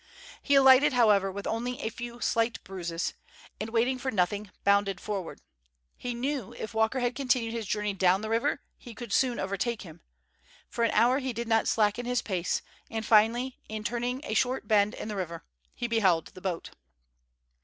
He alighted, however, with only a few slight bruises, and, waiting for nothing, bounded forward. He knew if Walker had continued his journey down the river, he could soon overtake him. For an hour he did not slacken his pace, and finally, in turning a short bend in the river, he beheld the boat.